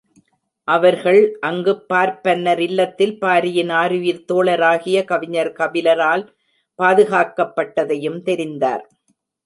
அவர்கள் அங்குப் பார்ப்பனர் இல்லத்தில், பாரியின் ஆருயிர்த்தோழராகிய கவிஞர் கபிலரால் பாதுகாக்கப் பட்டதையும் தெரிந்தார்.